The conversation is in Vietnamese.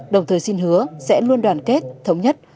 đồng thời xin hứa sẽ luôn đoàn kết thống nhất